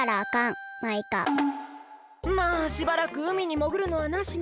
まあしばらくうみにもぐるのはなしね。